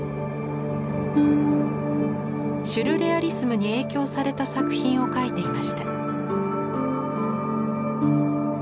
シュルレアリスムに影響された作品を描いていました。